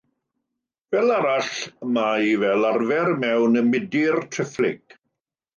Fel arall mae fel arfer mewn mydr triphlyg.